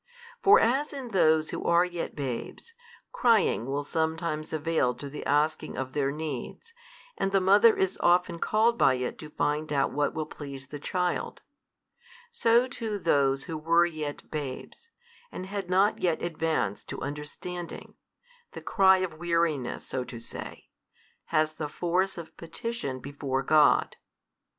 For as in those who are yet babes, crying will sometimes avail to the asking of their needs, and the mother is often called by it to find out what will please the child: so to those who were yet babes, and had not yet advanced to understanding, the cry of weariness so to say, has the force of petition before God.